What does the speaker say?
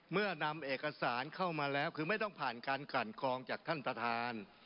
นำเอกสารเข้ามาแล้วคือไม่ต้องผ่านการกันกรองจากท่านประธาน